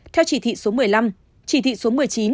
theo chỉ thị số một mươi năm chỉ thị số một mươi chín